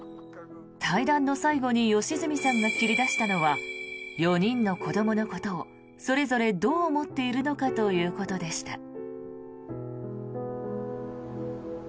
対談の最後に良純さんが切り出したのは４人の子どものことをそれぞれどう思っているのかということでした。